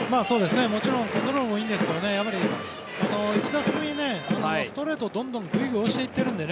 もちろんコントロールもいいんですけど１打席目にストレートでどんどん、ぐいぐい押していっているので。